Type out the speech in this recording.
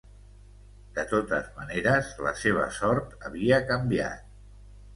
De totes maneres, la seva sort havia canviat.